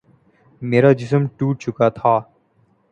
میرا جسم ٹوٹ چکا تھا